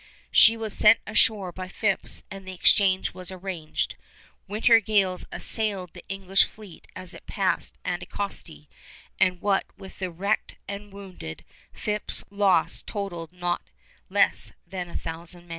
She was sent ashore by Phips and the exchange was arranged. Winter gales assailed the English fleet as it passed Anticosti, and what with the wrecked and wounded, Phips' loss totaled not less than a thousand men.